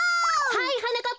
はいはなかっ